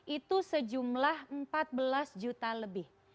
itu sejumlah empat belas juta lebih